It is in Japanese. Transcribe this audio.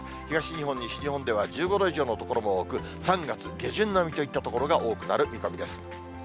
東日本、西日本では１５度以上の所も多く、３月下旬並みといった所が多くなる見込みです。